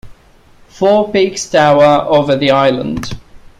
Four peaks tower over the island.